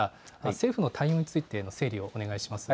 政府の対応についての整理をお願いします。